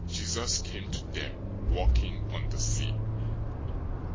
} Jesus came to them, walking on the sea.